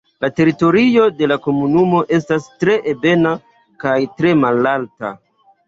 La teritorio de la komunumo estas tre ebena kaj tre malalta.